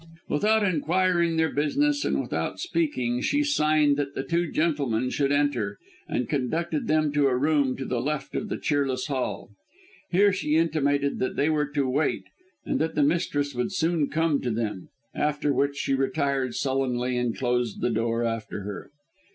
Without inquiring their business and without speaking she signed that the two gentlemen should enter, and conducted them to a room to the left of the cheerless hall. Here she intimated that they were to wait and that the mistress would soon come to them, after which she retired sullenly and closed the door after her.